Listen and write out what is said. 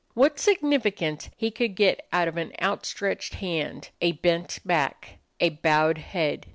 What significance he could get out of an outstretched hand, a bent back, a bowed head!